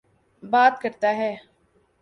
بات کرتا ہے۔